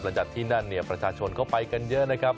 หลังจากที่นั่นเนี่ยประชาชนก็ไปกันเยอะนะครับ